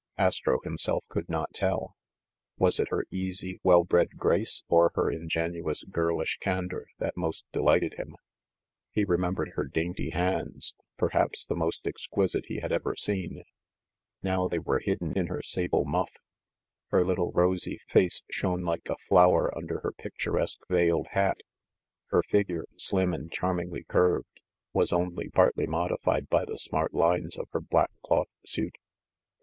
Astro himself could not tell. Was it her easy 148 MISS DALRYMPLE'S LOCKET 149 well bred grace or her ingenuous, girlish candor that most delighted him ? He remembered her dainty hands, — perhaps the most exquisite he had ever seen. Now they were hidden in her sable muff. Her little rosy face shone like a flower under her picturesque veiled hat ; her figure, slim and charmingly curved, was only partly modified by the smart lines of her black cloth suit.